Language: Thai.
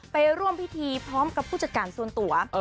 ไปร่วมพิธีพร้อมกับผู้จัดการส่วนตัว